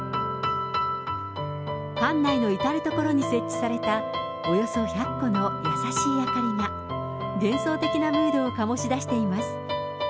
館内の至る所に設置されたおよそ１００個の優しい明かりが、幻想的なムードを醸し出しています。